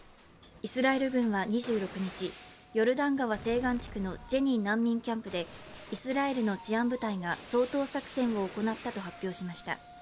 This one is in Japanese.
イスラエル軍は２６日、ヨルダン川西岸地区のジェニン難民キャンプでイスラエルの治安部隊が掃討作戦を行ったと発表しました。